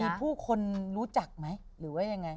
มีผู้คนรู้จักไหมหรือว่ายังไง